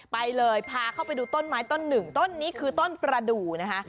ไปเลยพาเข้าไปดูต้นไม้ต้นหนึ่งต้นนี้คือต้นประดูนะคะ